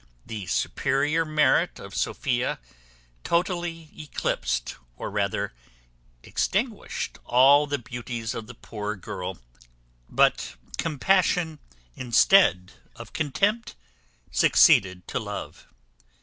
The superior merit of Sophia totally eclipsed, or rather extinguished, all the beauties of the poor girl; but compassion instead of contempt succeeded to love.